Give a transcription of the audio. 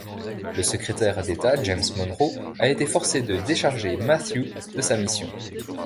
Le Secrétaire d'État James Monroe a été forcé de décharger Matthews de sa mmission.